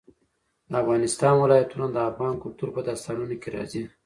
د افغانستان ولايتونه د افغان کلتور په داستانونو کې راځي.